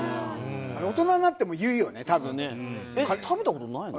大人になっても言うよね、えっ、食べたことないの？